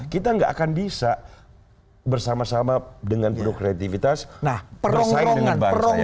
kita nggak akan bisa bersama sama dengan penuh kreativitas bersaing dengan bangsa ini